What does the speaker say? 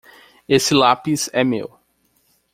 Esse lápis é meu.